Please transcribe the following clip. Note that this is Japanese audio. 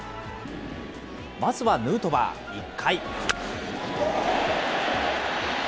まずはヌートバー、１回。